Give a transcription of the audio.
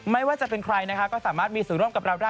ไม่ว่าจะเป็นใครนะคะก็สามารถมีส่วนร่วมกับเราได้